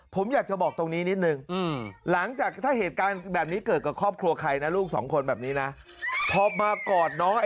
ผมอยากจะบอกตรงนี้นิดหนึ่ง